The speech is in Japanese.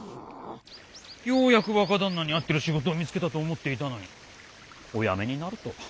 ようやく若旦那に合ってる仕事を見つけたと思っていたのにお辞めになるとは。